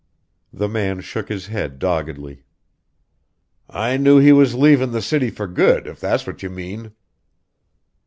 The man shook his head doggedly. "I knew he was leavin' the city for good, if that's what you mean."